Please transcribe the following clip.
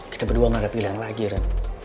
kita berdua gak ada pilihan lagi kan